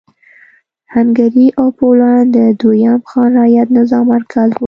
هنګري او پولنډ د دویم خان رعیت نظام مرکز و.